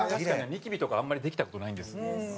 ニキビとかあんまりできた事ないんです。